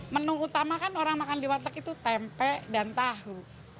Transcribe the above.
menu utama kan orang makan di warteg itu tempe dan tahu